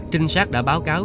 trinh sát đã báo cáo